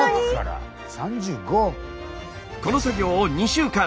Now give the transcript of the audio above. この作業を２週間！